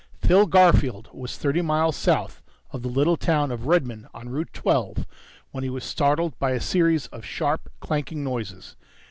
Phil Garfield was thirty miles south of the little town of Redmon on Route Twelve when he was startled by a series of sharp, clanking noises.